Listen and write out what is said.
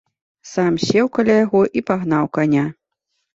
Сам сеў каля яго і пагнаў каня.